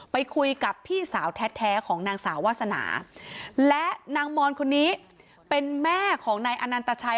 ไปคุยกับพี่สาวแท้ของนางสาววาสนาและนางมอนคนนี้เป็นแม่ของนายอนันตชัย